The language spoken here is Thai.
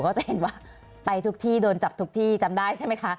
ก็จะเห็นว่าไปทุกที่โดนจับทุกที่จำได้ใช่ไหมคะ